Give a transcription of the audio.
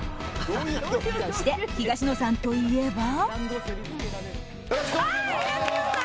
そして、東野さんといえば。